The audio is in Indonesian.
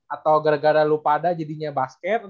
atau gara gara lu pada jadinya basket